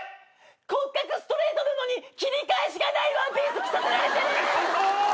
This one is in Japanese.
骨格ストレートなのに切り返しがないワンピース着させられてる！